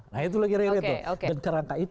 nah itu lah kira kira gitu